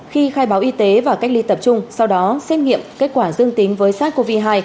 khi khai báo y tế và cách ly tập trung sau đó xét nghiệm kết quả dương tính với sars cov hai